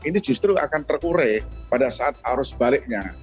ini justru akan terurai pada saat arus baliknya